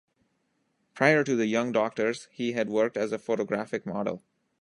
Prior to "The Young Doctors" he had worked as a photographic model.